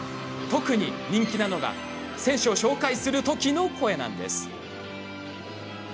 特に人気なのが選手を紹介する時の声なんです。